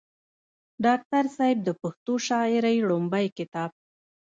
ډاکټر صېب د پښتو شاعرۍ وړومبے کتاب